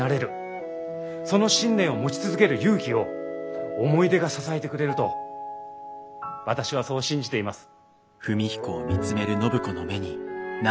その信念を持ち続ける勇気を思い出が支えてくれると私はそう信じています。